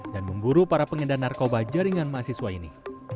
dan memburu para pengendal narkoba jaringan mahasiswa ini